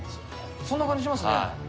そんな感じしますね。